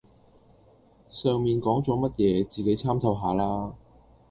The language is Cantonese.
上面講左乜野,自己參透下啦